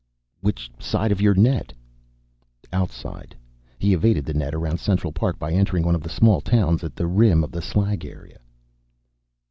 "Which side of your net?" "Outside. He evaded the net around Central Park by entering one of the small towns at the rim of the slag area."